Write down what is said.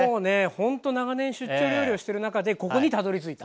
ほんと長年出張料理をしてる中でここにたどりついた。